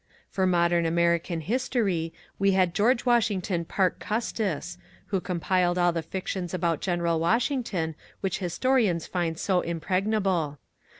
For modem American history we had George Washington Parke Custis, who compiled all the fictions about General Washington which historians find so impregnable.